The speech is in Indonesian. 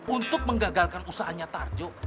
untuk menggagalkan usahanya tarjo